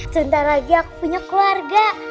sebentar lagi aku punya keluarga